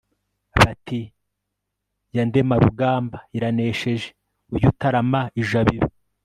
bati ya Ndemarugamba iranesheje ujye utarama ijabiro